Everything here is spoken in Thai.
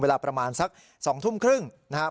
เวลาประมาณสัก๒ทุ่มครึ่งนะครับ